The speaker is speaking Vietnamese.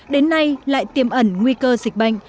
đến nay lại tiêm ẩn nguy cơ dịch bệnh